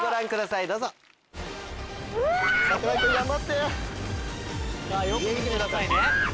さぁよく見てくださいね。